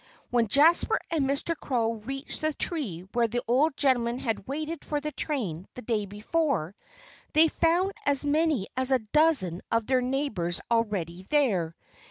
When Jasper and Mr. Crow reached the tree where the old gentleman had waited for the train the day before, they found as many as a dozen of their neighbors already there.